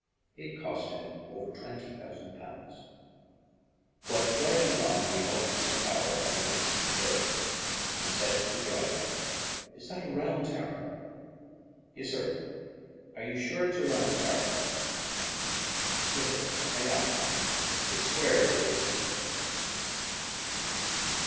It cost him over £20,000. While riding along we noticed a tower on a distant hill, and said to the driver, "Is that a round tower?" "Yis, sur." "Are you sure it's round?" "Yis, sur, I am; it's square it is."